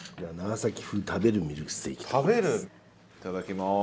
いただきます。